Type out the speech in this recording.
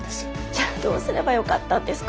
じゃあどうすればよかったんですか？